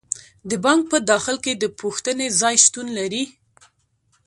د بانک په داخل کې د پوښتنې ځای شتون لري.